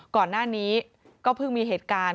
ก่อนหน้านี้ก็เพิ่งมีเหตุการณ์